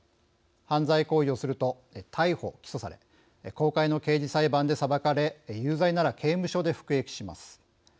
犯罪行為をすると逮捕・起訴され公開の刑事裁判で裁かれ有罪なら刑務所で服役します。